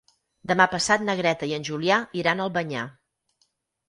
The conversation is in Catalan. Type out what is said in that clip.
Demà passat na Greta i en Julià iran a Albanyà.